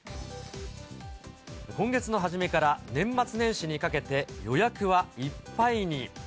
今月の初めから年末年始にかけて、予約はいっぱいに。